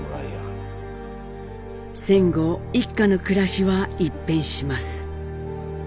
戦後一家の暮らしは一変します。